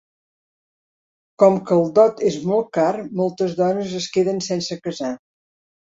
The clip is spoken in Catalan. Com que el dot és molt car moltes dones es queden sense casar.